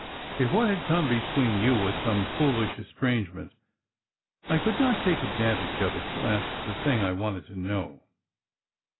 If what had come ^ between you was some foolish estrangement, I could not j take advantage of it to ask the thing I wanted to know.